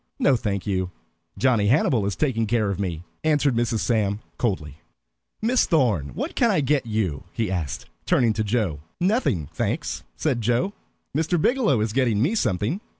"No, thank you. Johnny Hannibal is taking care of me," answered Mrs. Sam, coldly. "Miss Thorn, what can I get you?" he asked, turning to Joe. "Nothing, thanks," said Joe, "Mr. Biggielow is getting me something."